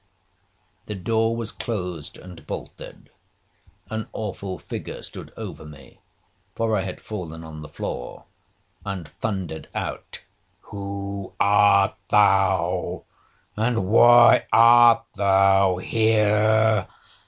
'The door was closed and bolted. An awful figure stood over me, (for I had fallen on the floor), and thundered out, 'Who art thou, and why art thou here?'